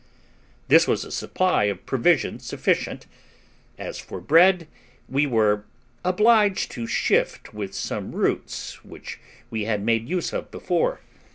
This was a supply of provisions sufficient; as for bread, we were obliged to shift with some roots which we had made use of before.